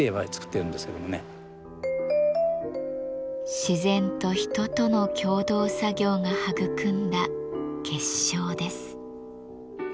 自然と人との共同作業が育んだ結晶です。